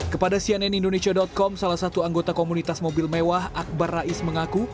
kepada cnn indonesia com salah satu anggota komunitas mobil mewah akbar rais mengaku